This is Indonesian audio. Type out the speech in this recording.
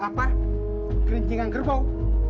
apa kerinjangan kerbau